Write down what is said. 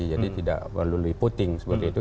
jadi tidak melalui voting seperti itu